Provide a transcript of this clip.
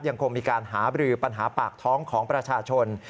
ยังคงมีการหาบรือปัญหาปากท้องของประชาชน